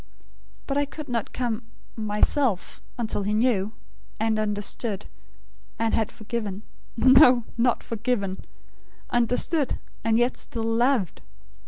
But I could not come myself until he knew; and understood; and had forgiven no, not 'forgiven'; understood, and yet still LOVED.